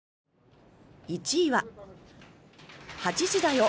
１位は「８時だよ！！